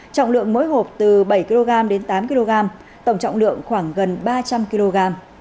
trọng lượng mỗi hộp từ bảy kg đến tám kg tổng trọng lượng khoảng gần ba trăm linh kg